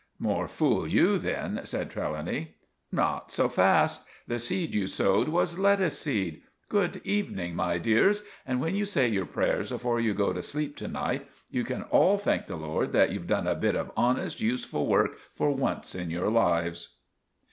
"More fool you then," said Trelawny. "Not so fast. The seed you sowed was lettuce seed! Good evening, my dears, and when you say your prayers afore you go to sleep to night, you can all thank the Lord that you've done a bit of honest, useful work for once in your lives!"